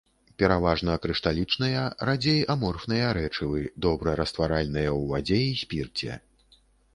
Пераважна крышталічныя, радзей аморфныя рэчывы, добра растваральныя ў вадзе і спірце.